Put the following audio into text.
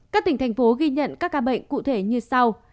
các tỉnh thành phố ghi nhận các ca bệnh cụ thể như sau